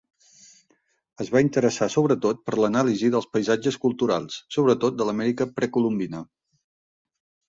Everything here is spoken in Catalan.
Es va interessar sobretot per l'anàlisi dels paisatges culturals, sobretot de l’Amèrica precolombina.